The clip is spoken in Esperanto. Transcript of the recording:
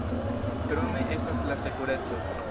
Krome estas la sekureco.